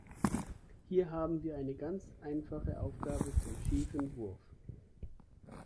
Hier haben wir eine ganz einfache Aufgabe zum schiefen Wurf.